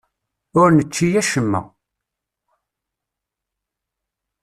Ur nečči acemma.